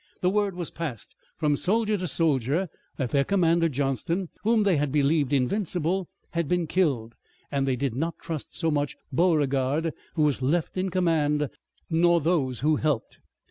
The word was passed from soldier to soldier that their commander, Johnston, whom they had believed invincible, had been killed, and they did not trust so much Beauregard, who was left in command, nor those who helped.